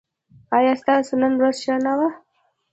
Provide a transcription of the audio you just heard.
ایا ستاسو نن ورځ ښه نه وه؟